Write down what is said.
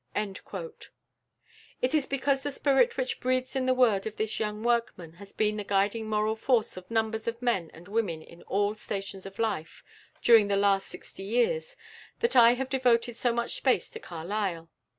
It is because the spirit which breathes in the words of this young workman has been the guiding moral force of numbers of men and women in all stations of life, during the last sixty years, that I have devoted so much space to Carlyle.